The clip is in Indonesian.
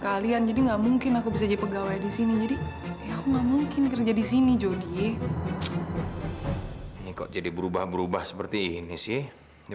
apakah kamu benar benar ingin melukai aku seperti ini